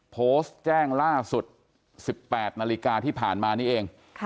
โพสต์แจ้งล่าสุด๑๘นาฬิกาที่ผ่านมานี้เอง